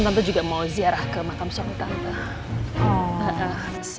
no enggak mau beras risiko itu wicked dua ratus enam puluh tujuh antre shear